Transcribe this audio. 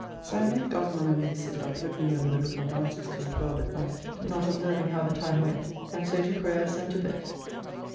So I made Gosnell and we sit up looking over the book of Dances till 12 at night, not observing how the time went, and so to prayers and to bed.